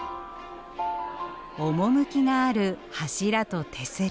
趣がある柱と手すり。